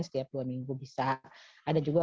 setiap dua minggu bisa ada juga